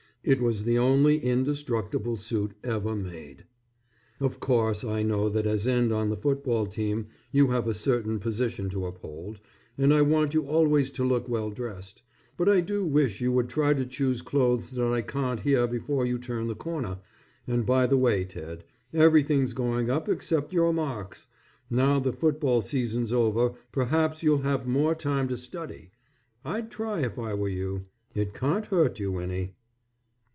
It was the only indestructible suit ever made. Of course I know that as end on the football team you have a certain position to uphold, and I want you always to look well dressed; but I do wish you would try to choose clothes that I can't hear before you turn the corner, and by the way Ted, everything's going up except your marks. Now the football season's over perhaps you'll have more time to study. I'd try if I were you, it can't hurt you any.